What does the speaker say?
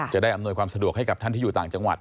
อำนวยความสะดวกให้กับท่านที่อยู่ต่างจังหวัด